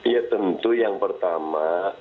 ya tentu yang pertama